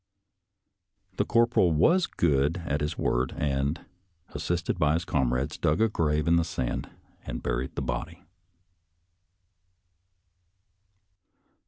The corporal was as good as his word, and, assisted by his comrades, dug a grave in the sand and buried the body.